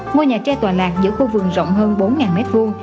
ngôi nhà tre tòa lạc giữa khu vườn rộng hơn bốn m hai